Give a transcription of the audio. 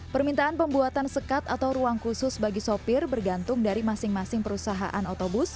permintaan pembuatan sekat atau ruang khusus bagi sopir bergantung dari masing masing perusahaan otobus